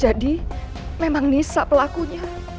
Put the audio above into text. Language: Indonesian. jadi memang nisa pelakunya